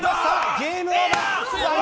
ゲームオーバー！